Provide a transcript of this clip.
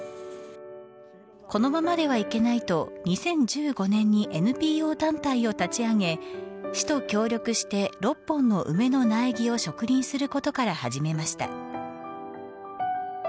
このままではいけないと２０１５年にＮＰＯ団体を立ち上げ市と協力して６本の梅の苗木を植林することから始めました。